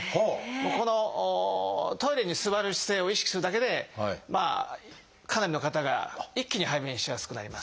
このトイレに座る姿勢を意識するだけでかなりの方が一気に排便しやすくなります。